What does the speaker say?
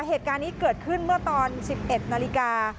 เหตุการณ์นี้เกิดขึ้นเมื่อตอน๑๑นาฬิกา